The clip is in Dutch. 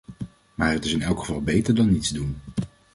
Maar het is in elk geval beter dan niets doen.